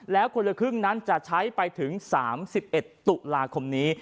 แล้วคนละครึ่งนั้นจะใช้ไปถึง๓๑ตุลาคมนี้